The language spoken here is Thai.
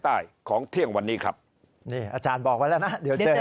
ใต้ของเที่ยงวันนี้ครับนี่อาจารย์บอกไว้แล้วนะเดี๋ยวเจอ